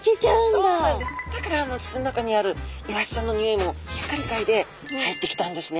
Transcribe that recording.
そうなんですだから筒の中にあるイワシちゃんのにおいもしっかりかいで入ってきたんですね。